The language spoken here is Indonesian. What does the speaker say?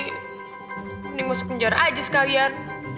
mending masuk penjara aja sekalian